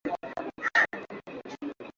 kuwasaidia watoto wa kike na wanawake vijana